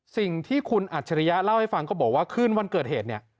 สิ่งที่คุณอัจฉริยะเล่าให้ฟังก็บอกว่าคืนวันเกิดเหตุเนี่ย